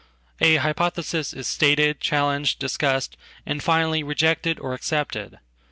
Ahypothesis is stated, challenged, discussed, and finally rejectedor accepted.